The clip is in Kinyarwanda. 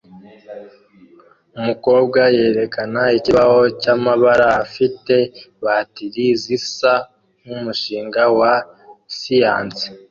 Umukobwa yerekana ikibaho cyamabara afite bateri zisa nkumushinga wa siyanse